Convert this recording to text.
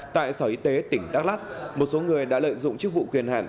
tại sở y tế tỉnh đắk lắc một số người đã lợi dụng chức vụ quyền hạn